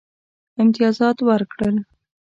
امتیازات ورکړل.